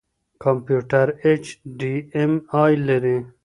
کمپيوټر اېچ ډياېم آى لري.